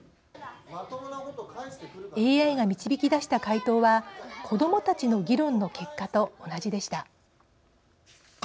ＡＩが導き出した回答は子どもたちの議論の結果と同じでした。